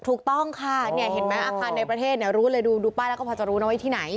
ถูกต้องค่ะเนี่ยเห็นไหมอาคารในประเทศรู้เลยดูป้ายแล้วก็พอจะรู้นะว่าที่ไหน